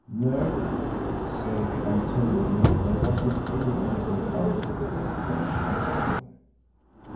Nerve? Say, I'm telling you there wasn't any of it left out of her when she was born!"